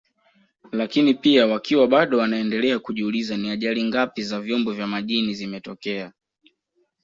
Lakini pia wakiwa bado wanaendelea kujiuliza ni ajari ngapi za vyombo vya majini zimetokea